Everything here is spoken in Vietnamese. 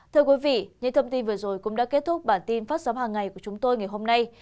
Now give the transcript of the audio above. thưa quý vị những thông tin vừa rồi cũng đã kết thúc bản tin phát sóng hàng ngày của chúng tôi ngày hôm nay